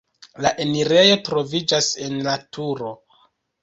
La enirejo troviĝas en la turo.